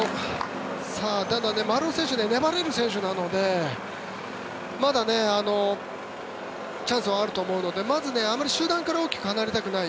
ただ丸尾選手粘れる選手なのでまだチャンスはあると思うので集団から大きく離れたくない。